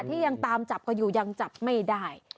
ที่ยังตามจับกันอยู่ยังจับไม่ได้